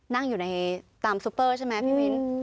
นั่งอยู่ในตามซุปเปอร์ใช่ไหมพี่มิ้น